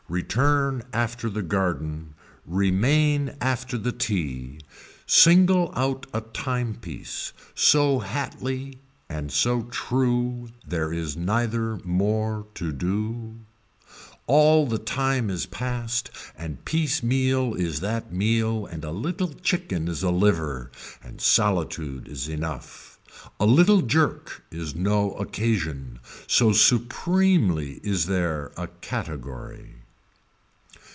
Return after the garden, remain after the tea, single out a timepiece, so hatly and so true there is neither more to do. All the time is the past and piece meal is that meal and a little chicken is a liver, and solitude is enough. A little jerk is no occasion, so supremely is there a category.